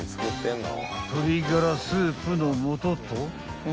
［鶏ガラスープの素と］